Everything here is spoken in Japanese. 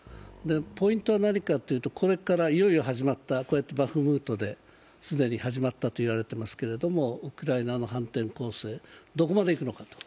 ポイントは何かというと、これからいよいよ始まった、こうやってバフムトで既に始まったと言われていますけれども、ウクライナの反転攻勢、どこまでいくのか。